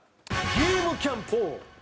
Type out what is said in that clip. ゲームキャンプ。